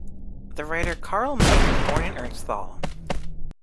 The writer Karl May was born in Ernstthal.